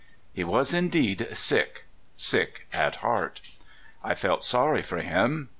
He was indeed sick — sick at heart. I felt sorry for him.